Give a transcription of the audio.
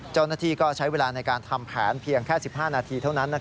เจ้าหน้าที่ก็ใช้เวลาในการทำแผนเพียงแค่๑๕นาทีเท่านั้น